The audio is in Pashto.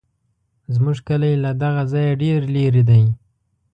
زموږ کلی له دغه ځایه ډېر لرې دی.